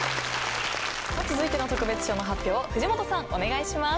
続いての特別賞の発表を藤本さんお願いします。